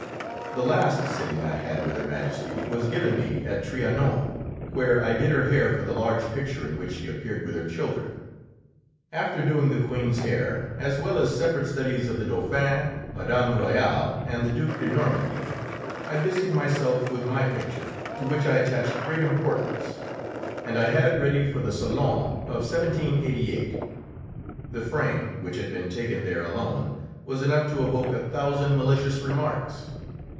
The last sitting I had with Her Majesty was given me at Trianon, where I did her hair for the large picture in which she appeared with her children. After doing the Queen's hair, as well as separate studies of the Dauphin, Madame Royale, and the Duke de Normandie, I busied myself with my picture, to which I attached great importance, and I had it ready for the Salon of 1788. The frame, which had been taken there alone, was enough to evoke a thousand malicious remarks.